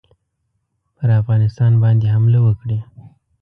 پر افغانستان باندي حمله وکړي.